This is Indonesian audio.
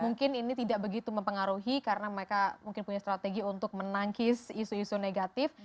mungkin ini tidak begitu mempengaruhi karena mereka mungkin punya strategi untuk menangkis isu isu negatif